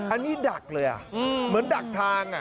อันนี้ดักเลยเหมือนดักทาง